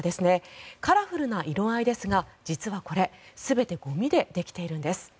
カラフルな色合いですが実はこれ全てゴミでできているんです。